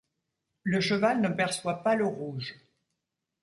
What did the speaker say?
Le cheval ne perçoit pas le rouge.